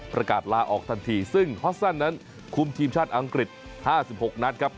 ประกาศลาออกทันทีซึ่งฮอสซันนั้นคุมทีมชาติอังกฤษ๕๖นัดครับ